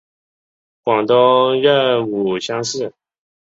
广东壬午乡试。